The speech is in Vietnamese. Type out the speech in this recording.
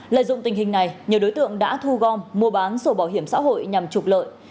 lợi dụng tình hình này nhiều đối tượng đã thu gom mua bán sổ bảo hiểm xã hội nhằm trục lợi